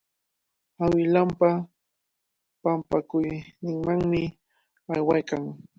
Awilanpa pampakuyninmanmi aywaykan.